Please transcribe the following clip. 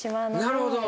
なるほど。